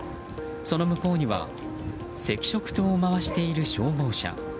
その向こうには赤色灯を回している消防車。